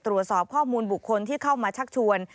ตรวจสอบข้อมูลบุคคลที่เข้ามาชักชวน